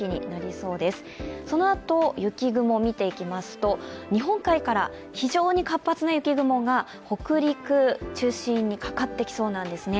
そのあと、雪雲を見ていきますと日本海から非常に活発な雪雲が北陸中心にかかってきそうなんですね。